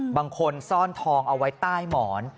บางคนซ่อนทองเอาไว้ใต้หมอน